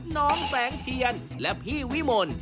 น้องแสงเทียนและพี่วิมล